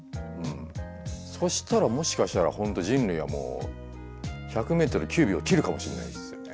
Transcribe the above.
そしたらもしかしたら本当人類はもう１００メートル９秒切るかもしれないですよね。